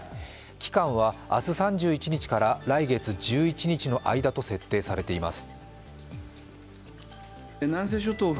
期間は明日３１日から来月１１日の間と設定されています。